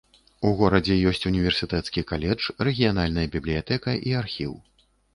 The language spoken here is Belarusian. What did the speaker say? У горадзе ёсць універсітэцкі каледж, рэгіянальная бібліятэка і архіў.